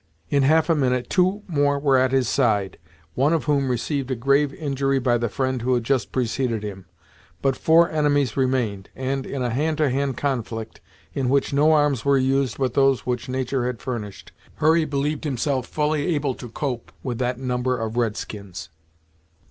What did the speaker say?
In half a minute, two more were at his side, one of whom received a grave injury by the friend who had just preceded him. But four enemies remained, and, in a hand to hand conflict, in which no arms were used but those which nature had furnished, Hurry believed himself fully able to cope with that number of red skins.